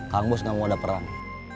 kang bus gak mau ada perang